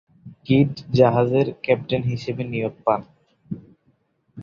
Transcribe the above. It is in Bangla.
কিড জাহাজের ক্যাপ্টেন হিসেবে নিয়োগ পান।